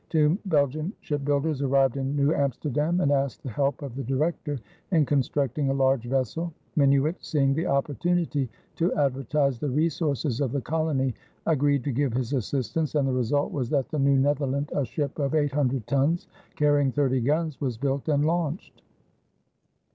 Two Belgian shipbuilders arrived in New Amsterdam and asked the help of the Director in constructing a large vessel. Minuit, seeing the opportunity to advertise the resources of the colony, agreed to give his assistance and the result was that the New Netherland, a ship of eight hundred tons carrying thirty guns, was built and launched.